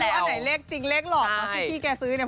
เก๊กหล่อของที่แกซื้อเนี่ย